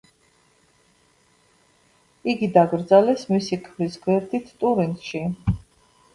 იგი დაკრძალეს მისი ქმრის გვერდით ტურინში.